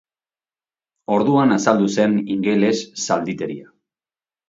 Orduan azaldu zen ingeles zalditeria.